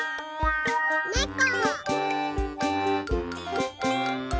ねこ。